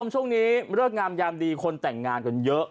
ช่วงนี้เริ่มยามนี่ดีคนแต่งงานเป็นเยอะ